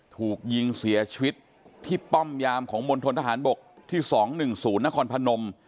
ถูกยิงเสียชีวิตที่ป้อมยามของมณฑนทหารบกที่๒๑๐นครพนม